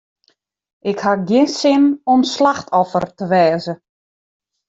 Ik haw gjin sin om slachtoffer te wêze.